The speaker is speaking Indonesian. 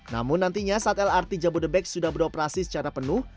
namun nantinya saat lrt jabodebek sudah beroperasi secara penuh